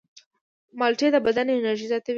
مالټې د بدن انرژي زیاتوي.